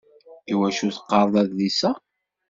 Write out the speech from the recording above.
Iwacu teqqareḍ adlis a?